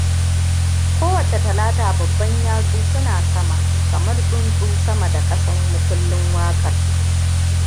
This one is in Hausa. Kowani Talata babban yatsu su na sama kamar tsuntsu sama da kasan mukullin wakan.